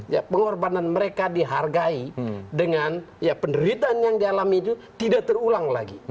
ya pengorbanan mereka dihargai dengan ya penderitaan yang dialami itu tidak terulang lagi